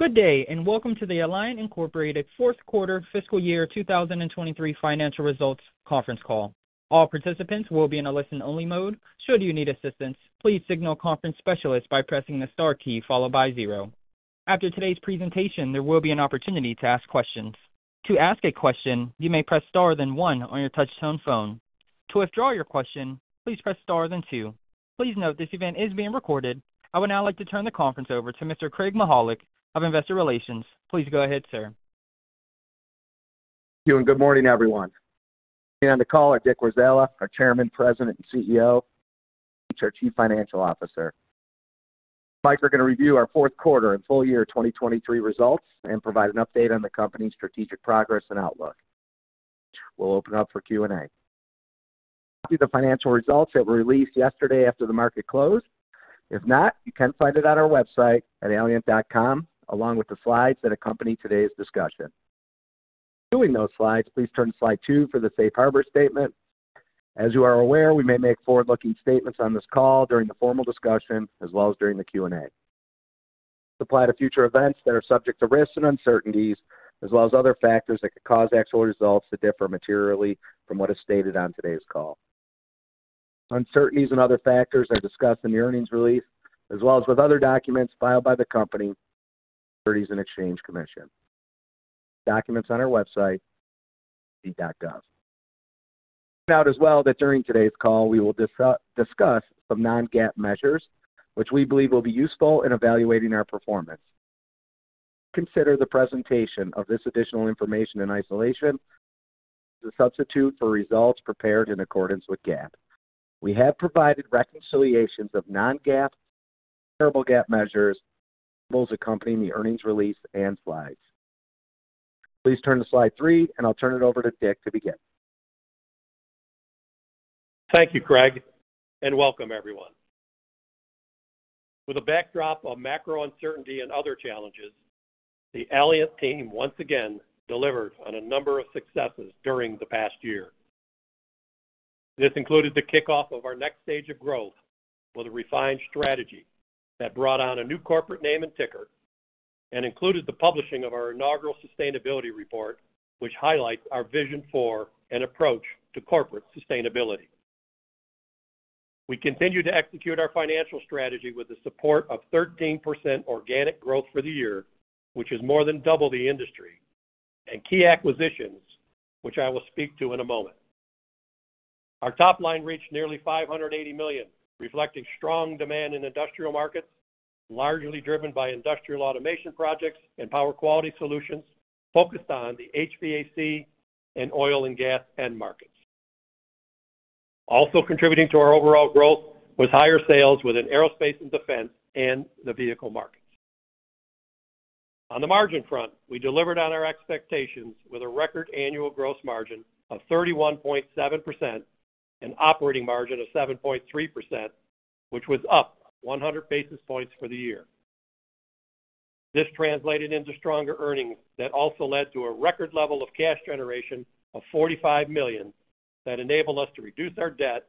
Good day and welcome to the Allient Incorporated Fourth Quarter Fiscal Year 2023 Financial Results Conference Call. All participants will be in a listen-only mode. Should you need assistance, please signal a conference specialist by pressing the star key followed by zero. After today's presentation, there will be an opportunity to ask questions. To ask a question, you may press star then one on your touch-tone phone. To withdraw your question, please press star then two. Please note, this event is being recorded. I would now like to turn the conference over to Mr. Craig Mychajluk of Investor Relations. Please go ahead, sir. Thank you and good morning, everyone. On the call are Dick Warzala, our Chairman, President, and CEO, and Mike Leach, our Chief Financial Officer. Mike is going to review our Fourth Quarter and Full Year 2023 Results and provide an update on the company's strategic progress and outlook. We'll open up for Q&A. A copy of the financial results that were released yesterday after the market closed. If not, you can find it on our website at allient.com along with the slides that accompany today's discussion. Viewing those slides, please turn to slide two for the safe harbor statement. As you are aware, we may make forward-looking statements on this call during the formal discussion as well as during the Q&A. Subject to future events that are subject to risks and uncertainties as well as other factors that could cause actual results to differ materially from what is stated on today's call. Uncertainties and other factors are discussed in the earnings release as well as in other documents filed by the Company with the Securities and Exchange Commission. Documents on our website, SEC.gov. Note as well that during today's call we will discuss some non-GAAP measures, which we believe will be useful in evaluating our performance. Do not consider the presentation of this additional information in isolation as a substitute for results prepared in accordance with GAAP. We have provided reconciliations of non-GAAP to GAAP measures as well as variables accompanying the earnings release and slides. Please turn to slide three, and I'll turn it over to Dick to begin. Thank you, Craig, and welcome, everyone. With a backdrop of macro uncertainty and other challenges, the Allient team once again delivered on a number of successes during the past year. This included the kickoff of our next stage of growth with a refined strategy that brought on a new corporate name and ticker, and included the publishing of our inaugural sustainability report, which highlights our vision for and approach to corporate sustainability. We continue to execute our financial strategy with the support of 13% organic growth for the year, which is more than double the industry, and key acquisitions, which I will speak to in a moment. Our top line reached nearly $580 million, reflecting strong demand in industrial markets, largely driven by industrial automation projects and power quality solutions focused on the HVAC and oil and gas end markets. Also contributing to our overall growth was higher sales within aerospace and defense and the vehicle markets. On the margin front, we delivered on our expectations with a record annual gross margin of 31.7%, an operating margin of 7.3%, which was up 100 basis points for the year. This translated into stronger earnings that also led to a record level of cash generation of $45 million that enabled us to reduce our debt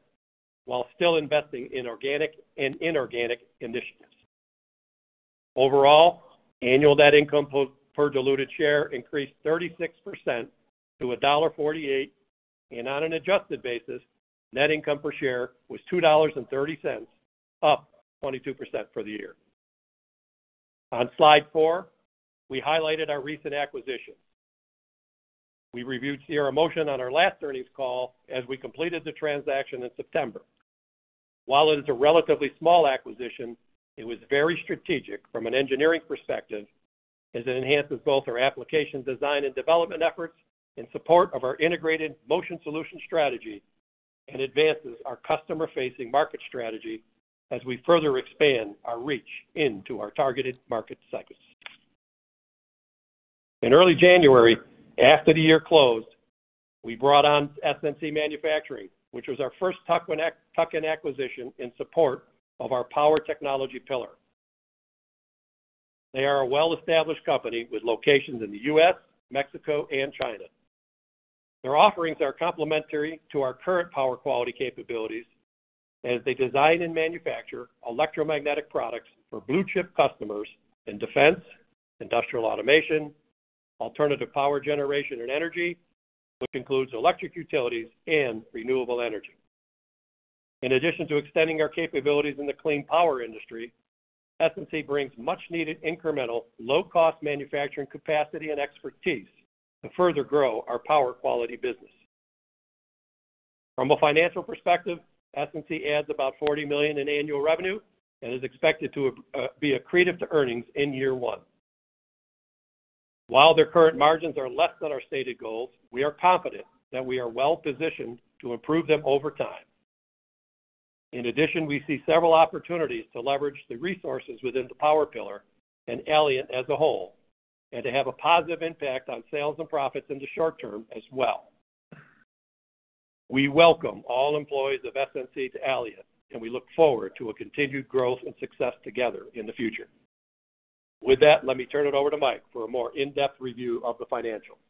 while still investing in organic and inorganic initiatives. Overall, annual net income per diluted share increased 36% to $1.48, and on an adjusted basis, net income per share was $2.30, up 22% for the year. On slide four, we highlighted our recent acquisitions. We reviewed Sierramotion on our last earnings call as we completed the transaction in September. While it is a relatively small acquisition, it was very strategic from an engineering perspective as it enhances both our application design and development efforts in support of our integrated Motion Solutions strategy and advances our customer-facing market strategy as we further expand our reach into our targeted market cycles. In early January, after the year closed, we brought on SNC Manufacturing, which was our first tuck-in acquisition in support of our power technology pillar. They are a well-established company with locations in the U.S., Mexico, and China. Their offerings are complementary to our current power quality capabilities as they design and manufacture electromagnetic products for blue-chip customers in defense, industrial automation, alternative power generation and energy, which includes electric utilities and renewable energy. In addition to extending our capabilities in the clean power industry, SNC brings much-needed incremental low-cost manufacturing capacity and expertise to further grow our power quality business. From a financial perspective, SNC adds about $40 million in annual revenue and is expected to be accretive to earnings in year one. While their current margins are less than our stated goals, we are confident that we are well-positioned to improve them over time. In addition, we see several opportunities to leverage the resources within the power pillar and Allient as a whole and to have a positive impact on sales and profits in the short term as well. We welcome all employees of SNC to Allient, and we look forward to a continued growth and success together in the future. With that, let me turn it over to Mike for a more in-depth review of the financials.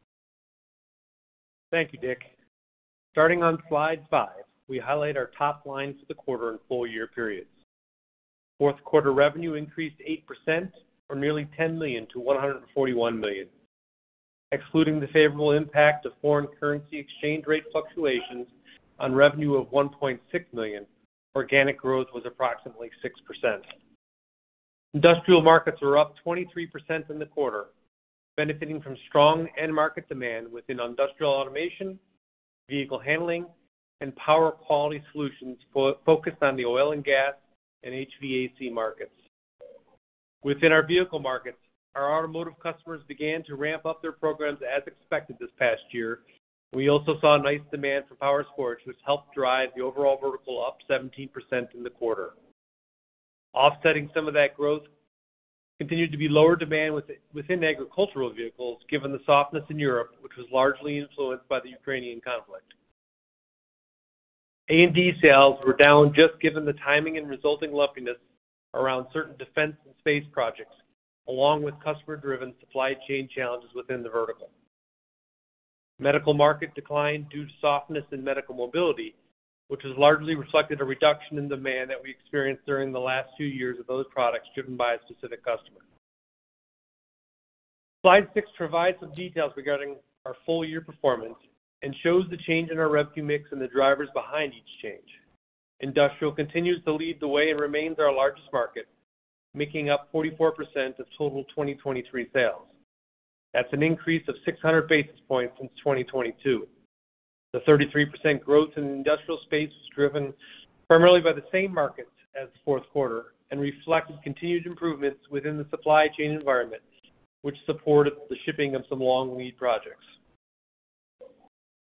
Thank you, Dick. Starting on slide five, we highlight our top lines for the quarter and full year periods. Fourth quarter revenue increased 8% from nearly $10 million to $141 million. Excluding the favorable impact of foreign currency exchange rate fluctuations on revenue of $1.6 million, organic growth was approximately 6%. Industrial markets were up 23% in the quarter, benefiting from strong end market demand within industrial automation, vehicle handling, and power quality solutions focused on the oil and gas and HVAC markets. Within our vehicle markets, our automotive customers began to ramp up their programs as expected this past year. We also saw nice demand for power sports, which helped drive the overall vertical up 17% in the quarter. Offsetting some of that growth continued to be lower demand within agricultural vehicles given the softness in Europe, which was largely influenced by the Ukrainian conflict. A&D sales were down just given the timing and resulting lumpiness around certain defense and space projects, along with customer-driven supply chain challenges within the vertical. Medical market declined due to softness in medical mobility, which was largely reflected in a reduction in demand that we experienced during the last few years of those products driven by a specific customer. Slide six provides some details regarding our full year performance and shows the change in our revenue mix and the drivers behind each change. Industrial continues to lead the way and remains our largest market, making up 44% of total 2023 sales. That's an increase of 600 basis points since 2022. The 33% growth in the industrial space was driven primarily by the same markets as the fourth quarter and reflected continued improvements within the supply chain environment, which supported the shipping of some long lead projects.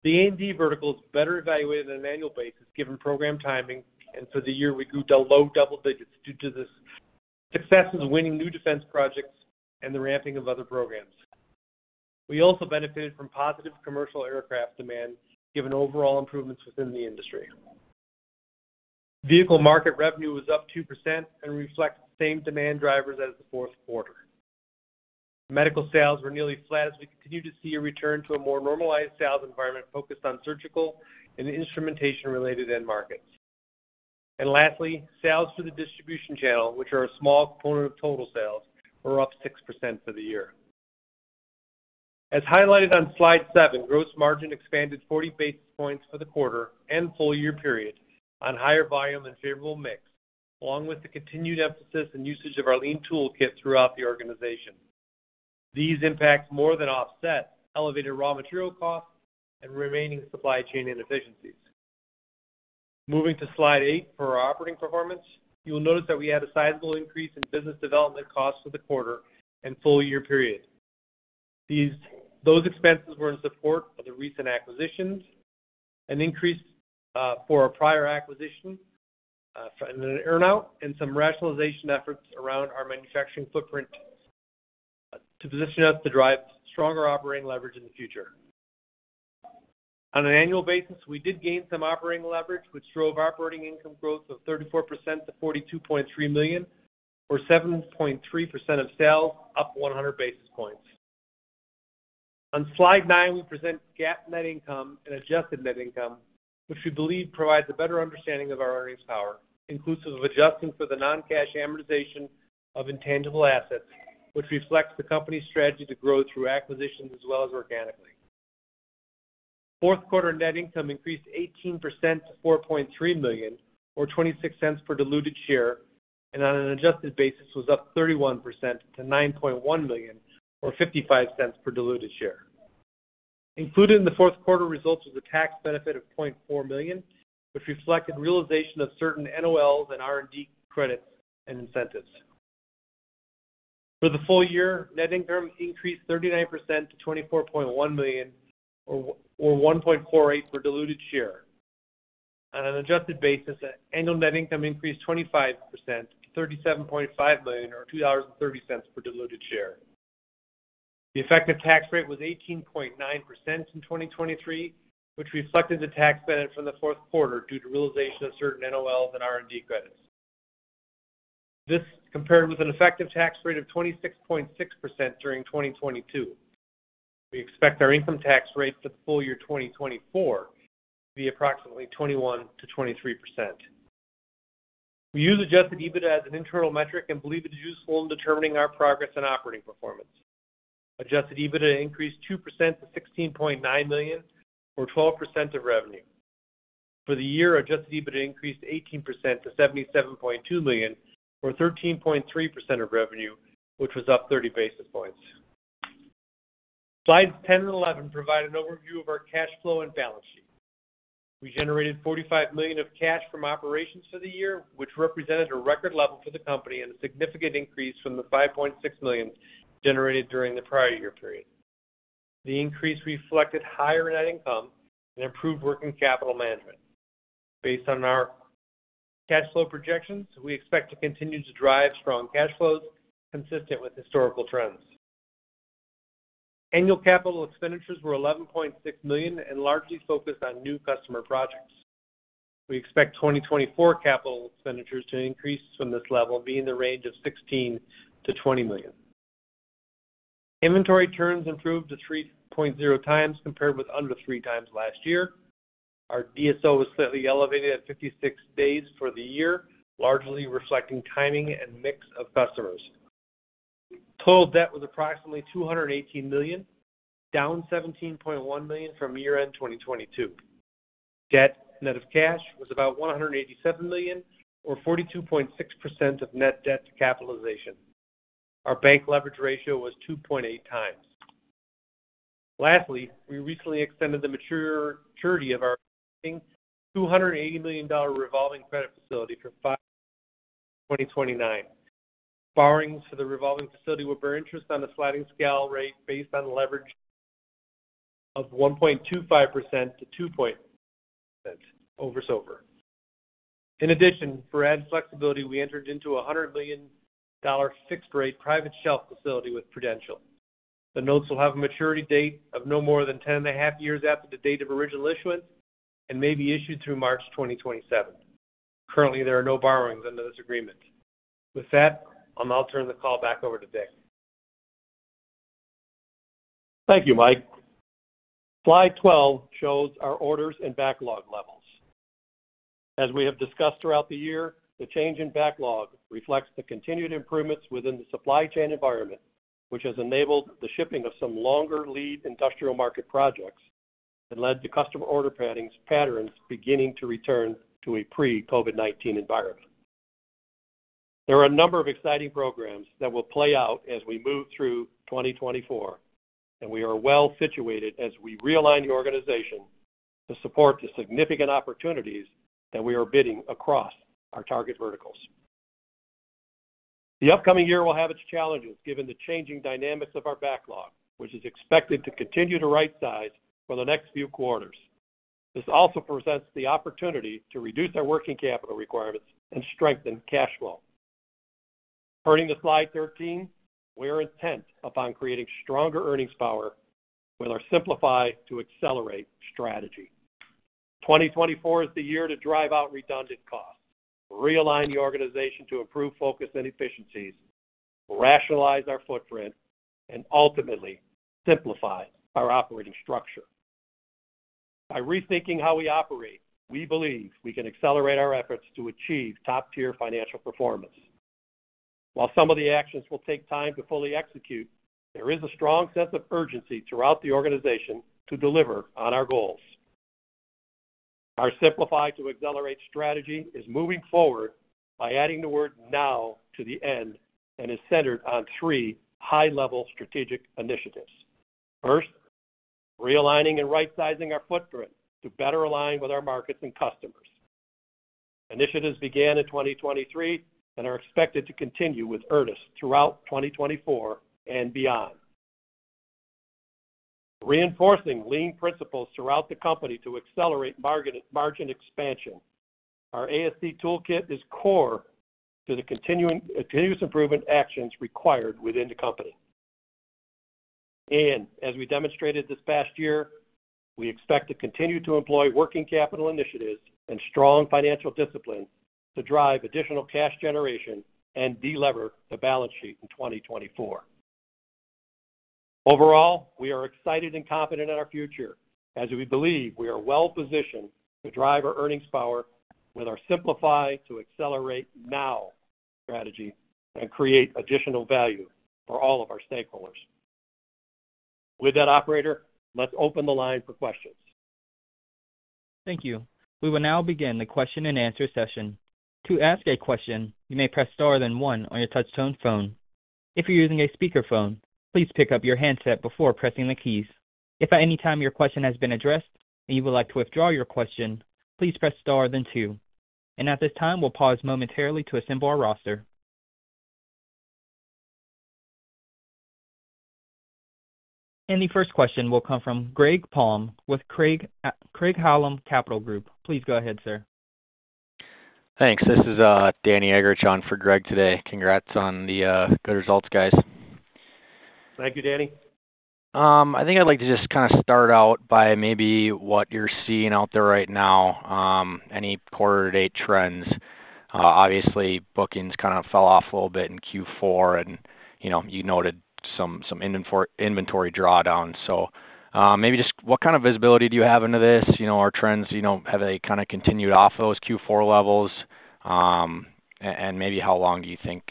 The A&D vertical is better evaluated on an annual basis given program timing, and for the year we grew low double digits due to the successes winning new defense projects and the ramping of other programs. We also benefited from positive commercial aircraft demand given overall improvements within the industry. Vehicle market revenue was up 2% and reflects the same demand drivers as the fourth quarter. Medical sales were nearly flat as we continue to see a return to a more normalized sales environment focused on surgical and instrumentation-related end markets. And lastly, sales for the distribution channel, which are a small component of total sales, were up 6% for the year. As highlighted on Slide seven, gross margin expanded 40 basis points for the quarter and full year period on higher volume and favorable mix, along with the continued emphasis and usage of our Lean toolkit throughout the organization. These impacts more than offset elevated raw material costs and remaining supply chain inefficiencies. Moving to slide eight for our operating performance, you will notice that we had a sizable increase in business development costs for the quarter and full year period. Those expenses were in support of the recent acquisitions, an increase for our prior acquisition and an earnout, and some rationalization efforts around our manufacturing footprint to position us to drive stronger operating leverage in the future. On an annual basis, we did gain some operating leverage, which drove operating income growth of 34% to $42.3 million, or 7.3% of sales, up 100 basis points. On slide nine, we present GAAP net income and adjusted net income, which we believe provides a better understanding of our earnings power, inclusive of adjusting for the non-cash amortization of intangible assets, which reflects the company's strategy to grow through acquisitions as well as organically. Fourth quarter net income increased 18% to $4.3 million, or $0.26 per diluted share, and on an adjusted basis was up 31% to $9.1 million, or $0.55 per diluted share. Included in the fourth quarter results was a tax benefit of $0.4 million, which reflected realization of certain NOLs and R&D credits and incentives. For the full year, net income increased 39% to $24.1 million, or $1.48 per diluted share. On an adjusted basis, annual net income increased 25% to $37.5 million, or $2.30 per diluted share. The effective tax rate was 18.9% in 2023, which reflected the tax benefit from the fourth quarter due to realization of certain NOLs and R&D credits. This compared with an effective tax rate of 26.6% during 2022. We expect our income tax rate for the full year 2024 to be approximately 21%-23%. We use adjusted EBITDA as an internal metric and believe it is useful in determining our progress in operating performance. Adjusted EBITDA increased 2% to 16.9 million, or 12% of revenue. For the year, adjusted EBITDA increased 18% to 77.2 million, or 13.3% of revenue, which was up 30 basis points. Slides 10 and 11 provide an overview of our cash flow and balance sheet. We generated $45 million of cash from operations for the year, which represented a record level for the company and a significant increase from the $5.6 million generated during the prior year period. The increase reflected higher net income and improved working capital management. Based on our cash flow projections, we expect to continue to drive strong cash flows consistent with historical trends. Annual capital expenditures were $11.6 million and largely focused on new customer projects. We expect 2024 capital expenditures to increase from this level, being in the range of $16 million-$20 million. Inventory turns improved to 3x compared with under 3x last year. Our DSO was slightly elevated at 56 days for the year, largely reflecting timing and mix of customers. Total debt was approximately $218 million, down $17.1 million from year-end 2022. Debt net of cash was about $187 million, or 42.6% of net debt to capitalization. Our bank leverage ratio was 2.8x. Lastly, we recently extended the maturity of our $280 million revolving credit facility for 5/2029. Borrowings for the revolving facility will bear interest on a sliding scale rate based on leverage of 1.25%-2.5% over SOFR. In addition, for added flexibility, we entered into a $100 million fixed rate private shelf facility with Prudential Private Capital. The notes will have a maturity date of no more than 10.5 years after the date of original issuance and may be issued through March 2027. Currently, there are no borrowings under this agreement. With that, I'll now turn the call back over to Dick. Thank you, Mike. Slide 12 shows our orders and backlog levels. As we have discussed throughout the year, the change in backlog reflects the continued improvements within the supply chain environment, which has enabled the shipping of some longer lead industrial market projects and led to customer order patterns beginning to return to a pre-COVID-19 environment. There are a number of exciting programs that will play out as we move through 2024, and we are well-situated as we realign the organization to support the significant opportunities that we are bidding across our target verticals. The upcoming year will have its challenges given the changing dynamics of our backlog, which is expected to continue to right-size for the next few quarters. This also presents the opportunity to reduce our working capital requirements and strengthen cash flow. Turning to slide 13, we are intent upon creating stronger earnings power with our Simplify to Accelerate strategy. 2024 is the year to drive out redundant costs, realign the organization to improve focus and efficiencies, rationalize our footprint, and ultimately simplify our operating structure. By rethinking how we operate, we believe we can accelerate our efforts to achieve top-tier financial performance. While some of the actions will take time to fully execute, there is a strong sense of urgency throughout the organization to deliver on our goals. Our Simplify to Accelerate strategy is moving forward by adding the word now to the end and is centered on three high-level strategic initiatives. First, realigning and right-sizing our footprint to better align with our markets and customers. Initiatives began in 2023 and are expected to continue with earnest throughout 2024 and beyond. Reinforcing lean principles throughout the company to accelerate margin expansion, our AST toolkit is core to the continuous improvement actions required within the company. As we demonstrated this past year, we expect to continue to employ working capital initiatives and strong financial discipline to drive additional cash generation and delever the balance sheet in 2024. Overall, we are excited and confident in our future as we believe we are well-positioned to drive our earnings power with our Simplify to Accelerate Now strategy and create additional value for all of our stakeholders. With that, operator, let's open the line for questions. Thank you. We will now begin the question and answer session. To ask a question, you may press star, then one on your touch-tone phone. If you're using a speakerphone, please pick up your handset before pressing the keys. If at any time your question has been addressed and you would like to withdraw your question, please press star, then two. At this time, we'll pause momentarily to assemble our roster. The first question will come from Greg Palm with Craig-Hallum Capital Group. Please go ahead, sir. Thanks. This is Danny Eggerichs on for Greg today. Congrats on the good results, guys. Thank you, Danny. I think I'd like to just kind of start out by maybe what you're seeing out there right now, any quarter-to-date trends. Obviously, bookings kind of fell off a little bit in Q4, and you noted some inventory drawdown. So maybe just what kind of visibility do you have into this? Are trends heavily kind of continued off of those Q4 levels? And maybe how long do you think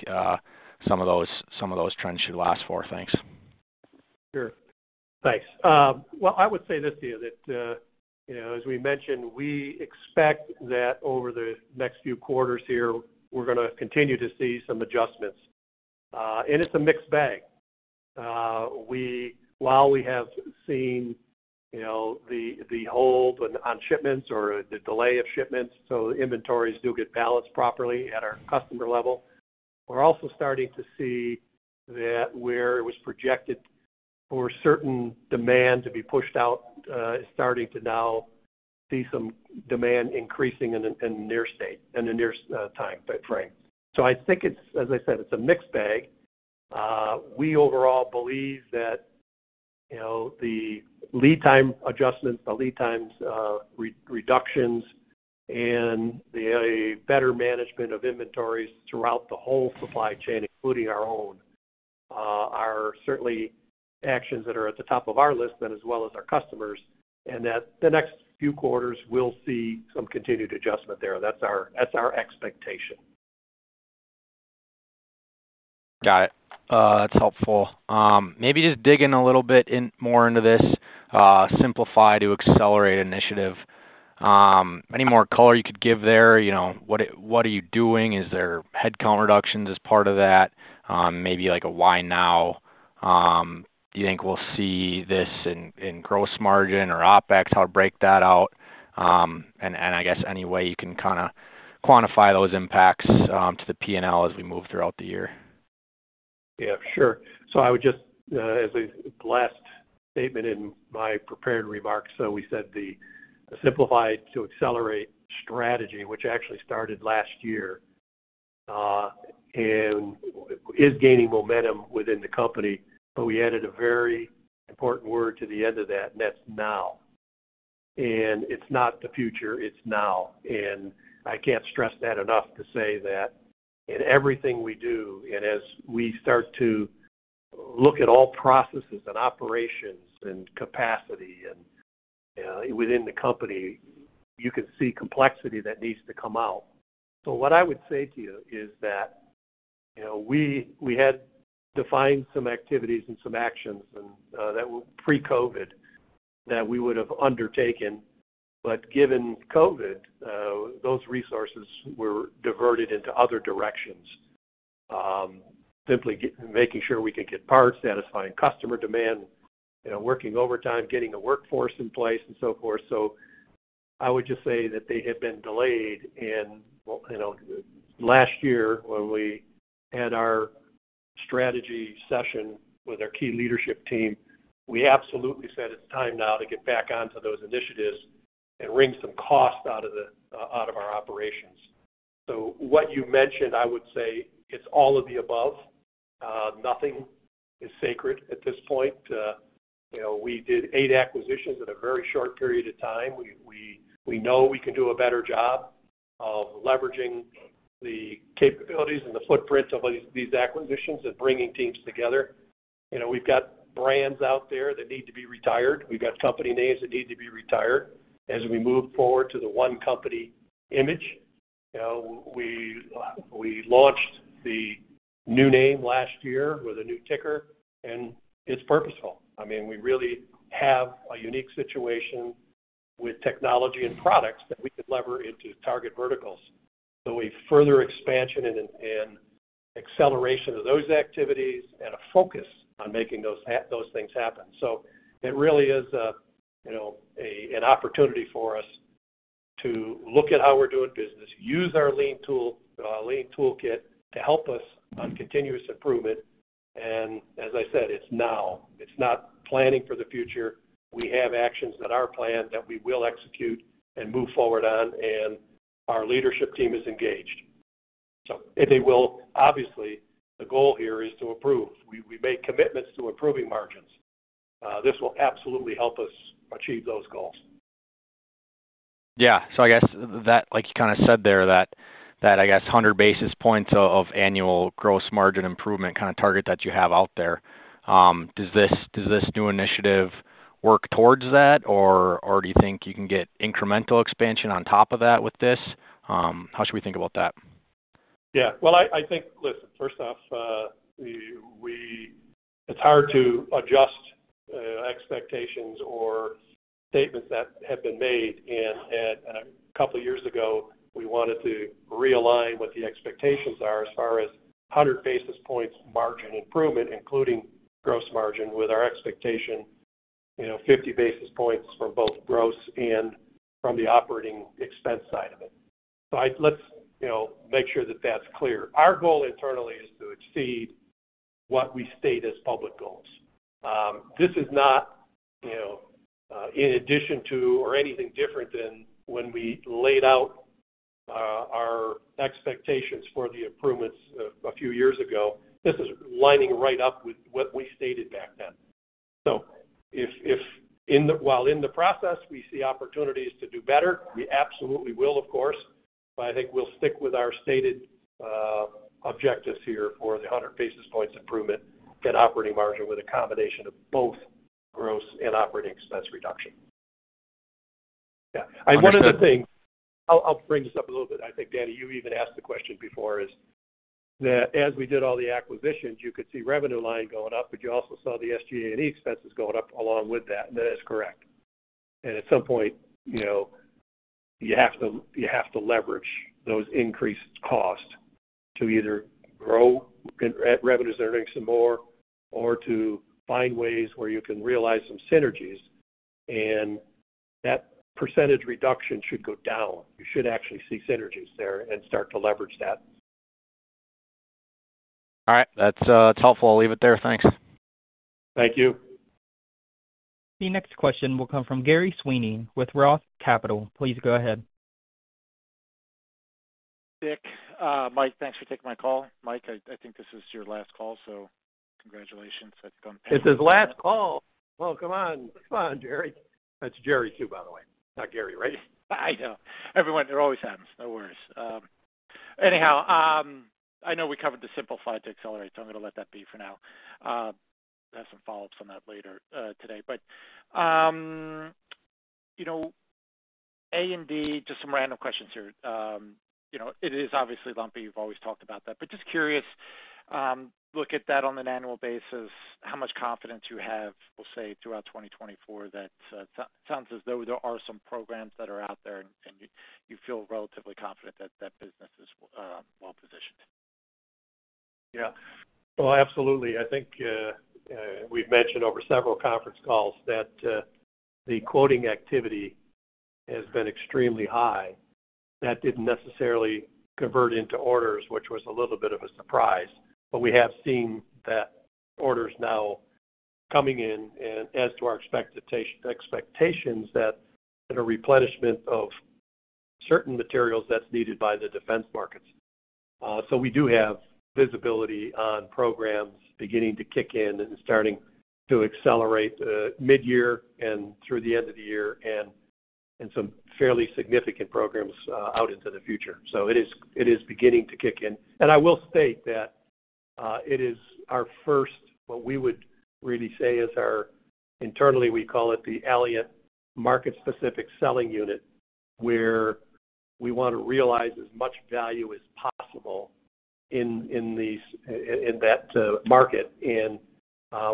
some of those trends should last for? Thanks. Sure. Thanks. Well, I would say this to you, that as we mentioned, we expect that over the next few quarters here, we're going to continue to see some adjustments. And it's a mixed bag. While we have seen the hold on shipments or the delay of shipments so the inventories do get balanced properly at our customer level, we're also starting to see that where it was projected for certain demand to be pushed out, it's starting to now see some demand increasing in the near time frame. So I think it's, as I said, it's a mixed bag. We overall believe that the lead time adjustments, the lead times reductions, and a better management of inventories throughout the whole supply chain, including our own, are certainly actions that are at the top of our list and as well as our customers, and that the next few quarters we'll see some continued adjustment there. That's our expectation. Got it. That's helpful. Maybe just digging a little bit more into this, Simplify to Accelerate initiative. Any more color you could give there? What are you doing? Is there headcount reductions as part of that? Maybe a why now? Do you think we'll see this in gross margin or OPEX, how to break that out? And I guess any way you can kind of quantify those impacts to the P&L as we move throughout the year. Yeah, sure. So I would just, as a last statement in my prepared remarks, so we said the Simplify to Accelerate strategy, which actually started last year, is gaining momentum within the company, but we added a very important word to the end of that, and that's now. And it's not the future. It's now. And I can't stress that enough to say that in everything we do, and as we start to look at all processes and operations and capacity within the company, you can see complexity that needs to come out. So what I would say to you is that we had defined some activities and some actions pre-COVID that we would have undertaken, but given COVID, those resources were diverted into other directions, simply making sure we could get parts, satisfying customer demand, working overtime, getting a workforce in place, and so forth. So I would just say that they had been delayed. And last year, when we had our strategy session with our key leadership team, we absolutely said it's time now to get back onto those initiatives and wring some cost out of our operations. So what you mentioned, I would say it's all of the above. Nothing is sacred at this point. We did eight acquisitions in a very short period of time. We know we can do a better job of leveraging the capabilities and the footprint of these acquisitions and bringing teams together. We've got brands out there that need to be retired. We've got company names that need to be retired. As we move forward to the one company image, we launched the new name last year with a new ticker, and it's purposeful. I mean, we really have a unique situation with technology and products that we can leverage into target verticals. So a further expansion and acceleration of those activities and a focus on making those things happen. So it really is an opportunity for us to look at how we're doing business, use our lean toolkit to help us on continuous improvement. And as I said, it's now. It's not planning for the future. We have actions that are planned that we will execute and move forward on, and our leadership team is engaged. So obviously, the goal here is to improve. We make commitments to improving margins. This will absolutely help us achieve those goals. Yeah. So I guess that, like you kind of said there, that I guess 100 basis points of annual gross margin improvement kind of target that you have out there, does this new initiative work towards that, or do you think you can get incremental expansion on top of that with this? How should we think about that? Yeah. Well, I think, listen, first off, it's hard to adjust expectations or statements that have been made. A couple of years ago, we wanted to realign what the expectations are as far as 100 basis points margin improvement, including gross margin, with our expectation 50 basis points from both gross and from the operating expense side of it. Let's make sure that that's clear. Our goal internally is to exceed what we state as public goals. This is not in addition to or anything different than when we laid out our expectations for the improvements a few years ago. This is lining right up with what we stated back then. While in the process, we see opportunities to do better. We absolutely will, of course, but I think we'll stick with our stated objectives here for the 100 basis points improvement in operating margin with a combination of both gross and operating expense reduction. Yeah. And one of the things I'll bring up a little bit. I think, Danny, you even asked the question before, is that as we did all the acquisitions, you could see revenue line going up, but you also saw the SG&A expenses going up along with that, and that is correct. And at some point, you have to leverage those increased costs to either grow revenues and earning some more or to find ways where you can realize some synergies, and that percentage reduction should go down. You should actually see synergies there and start to leverage that. All right. That's helpful. I'll leave it there. Thanks. Thank you. The next question will come from Gerry Sweeney with Roth Capital. Please go ahead. Dick. Mike, thanks for taking my call. Mike, I think this is your last call, so congratulations. I think on payment. It's his last call. Well, come on. Come on, Gerry. That's Gerry too, by the way. Not Gary, right? I know. It always happens. No worries. Anyhow, I know we covered the Simplify to Accelerate, so I'm going to let that be for now. I have some follow-ups on that later today. But A&D, just some random questions here. It is obviously lumpy. We've always talked about that. But just curious, look at that on an annual basis, how much confidence you have, we'll say, throughout 2024. It sounds as though there are some programs that are out there, and you feel relatively confident that that business is well-positioned. Yeah. Well, absolutely. I think we've mentioned over several conference calls that the quoting activity has been extremely high. That didn't necessarily convert into orders, which was a little bit of a surprise, but we have seen that orders now coming in as to our expectations that are replenishment of certain materials that's needed by the defense markets. So we do have visibility on programs beginning to kick in and starting to accelerate midyear and through the end of the year and some fairly significant programs out into the future. So it is beginning to kick in. And I will state that it is our first, what we would really say is our internally, we call it the Allient Market-Specific Selling Unit, where we want to realize as much value as possible in that market. And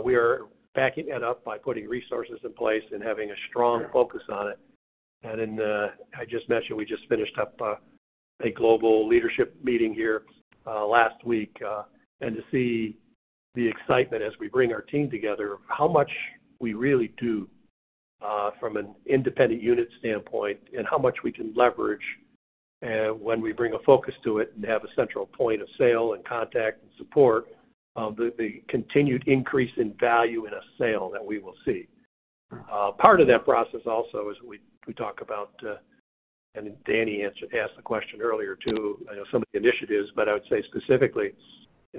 we are backing that up by putting resources in place and having a strong focus on it. And I just mentioned we just finished up a global leadership meeting here last week. And to see the excitement as we bring our team together, how much we really do from an independent unit standpoint and how much we can leverage when we bring a focus to it and have a central point of sale and contact and support, the continued increase in value in a sale that we will see. Part of that process also is we talk about, and Danny asked the question earlier too, some of the initiatives, but I would say specifically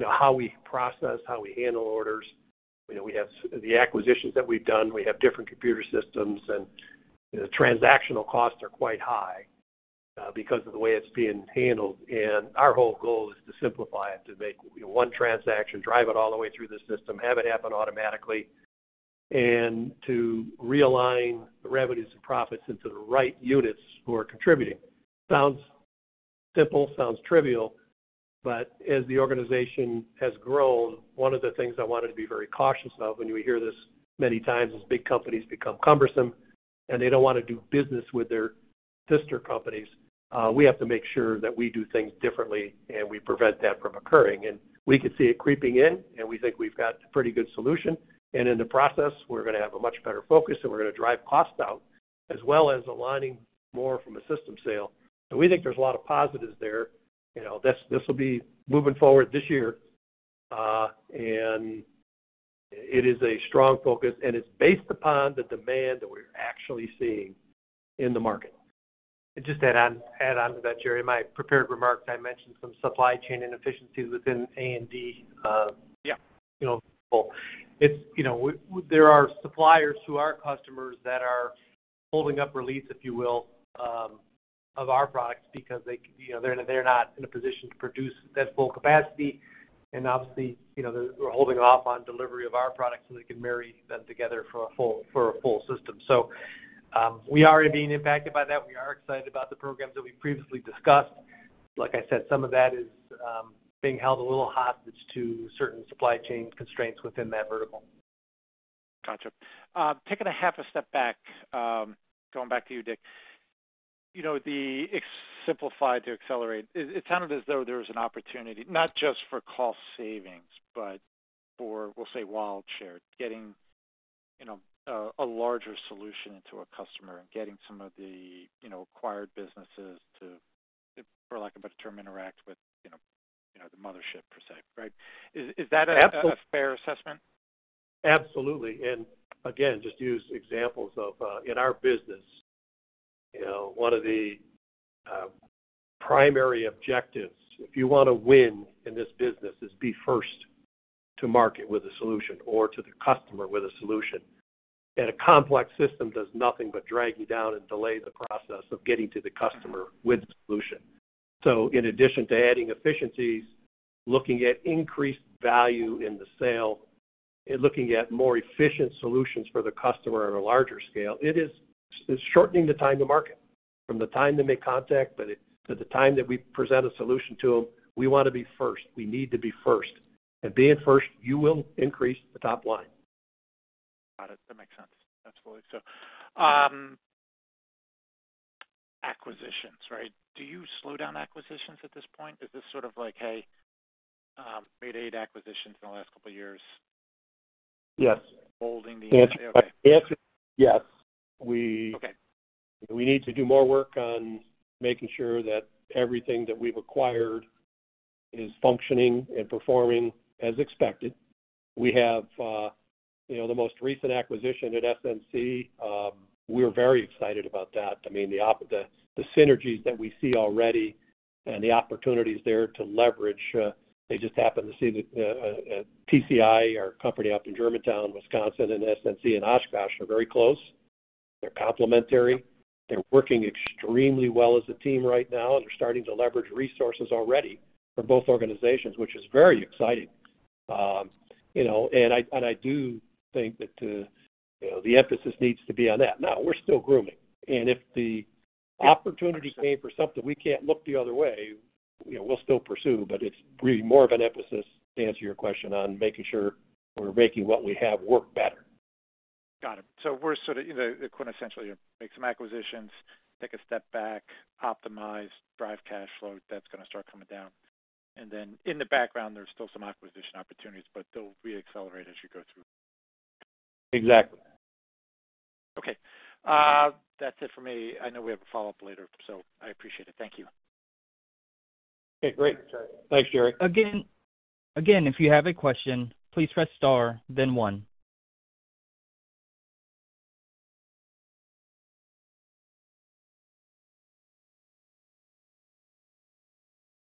how we process, how we handle orders. We have the acquisitions that we've done. We have different computer systems, and the transactional costs are quite high because of the way it's being handled. Our whole goal is to simplify it, to make one transaction, drive it all the way through the system, have it happen automatically, and to realign the revenues and profits into the right units who are contributing. Sounds simple. Sounds trivial. But as the organization has grown, one of the things I wanted to be very cautious of, and you hear this many times, is big companies become cumbersome, and they don't want to do business with their sister companies. We have to make sure that we do things differently, and we prevent that from occurring. We could see it creeping in, and we think we've got a pretty good solution. In the process, we're going to have a much better focus, and we're going to drive costs out as well as aligning more from a system sale. So we think there's a lot of positives there. This will be moving forward this year, and it is a strong focus, and it's based upon the demand that we're actually seeing in the market. And just to add on to that, Gerry, in my prepared remarks, I mentioned some supply chain inefficiencies within A&D. Yeah. Well, there are suppliers who are customers that are holding up release, if you will, of our products because they're not in a position to produce that full capacity. Obviously, they're holding off on delivery of our products so they can marry them together for a full system. We are being impacted by that. We are excited about the programs that we previously discussed. Like I said, some of that is being held a little hostage to certain supply chain constraints within that vertical. Gotcha. Taking a half a step back, going back to you, Dick, the Simplify to Accelerate, it sounded as though there was an opportunity, not just for cost savings, but for, we'll say, wallet share, getting a larger solution into a customer and getting some of the acquired businesses to, for lack of a better term, interact with the mothership, per se, right? Is that a fair assessment? Absolutely. And again, just use examples of in our business, one of the primary objectives, if you want to win in this business, is be first to market with a solution or to the customer with a solution. And a complex system does nothing but drag you down and delay the process of getting to the customer with the solution. So in addition to adding efficiencies, looking at increased value in the sale, looking at more efficient solutions for the customer on a larger scale, it is shortening the time to market from the time they make contact to the time that we present a solution to them. We want to be first. We need to be first. And being first, you will increase the top line. Got it. That makes sense. Absolutely. So acquisitions, right? Do you slow down acquisitions at this point? Is this sort of like, "Hey, we've made eight acquisitions in the last couple of years? Yes. Holding the answer? Okay. Yes. We need to do more work on making sure that everything that we've acquired is functioning and performing as expected. We have the most recent acquisition at SNC. We're very excited about that. I mean, the synergies that we see already and the opportunities there to leverage, they just happen to see that TCI, our company up in Germantown, Wisconsin, and SNC in Oshkosh are very close. They're complementary. They're working extremely well as a team right now, and they're starting to leverage resources already for both organizations, which is very exciting. And I do think that the emphasis needs to be on that. Now, we're still grooming. And if the opportunity came for something we can't look the other way, we'll still pursue. But it's really more of an emphasis, to answer your question, on making sure we're making what we have work better. Got it. So we're sort of quintessentially here: make some acquisitions, take a step back, optimize, drive cash flow. That's going to start coming down. And then in the background, there's still some acquisition opportunities, but they'll reaccelerate as you go through. Exactly. Okay. That's it for me. I know we have a follow-up later, so I appreciate it. Thank you. Okay. Great. Thanks, Gerry. Again, if you have a question, please press star, then one.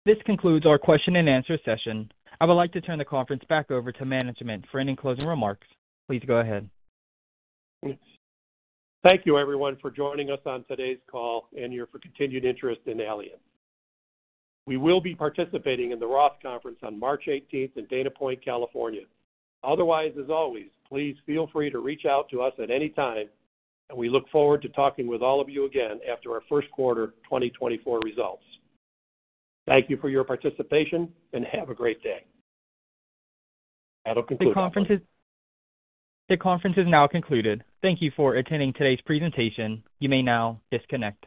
This concludes our question-and-answer session. I would like to turn the conference back over to management for any closing remarks. Please go ahead. Thank you, everyone, for joining us on today's call and your continued interest in Allient. We will be participating in the Roth Conference on March 18th in Dana Point, California. Otherwise, as always, please feel free to reach out to us at any time, and we look forward to talking with all of you again after our First Quarter 2024 Results. Thank you for your participation, and have a great day. That'll conclude our conference. The conference is now concluded. Thank you for attending today's presentation. You may now disconnect.